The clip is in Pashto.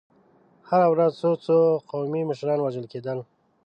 هره ورځ څو څو قومي مشران وژل کېدل.